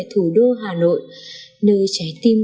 thủ đô hà nội nơi trái tim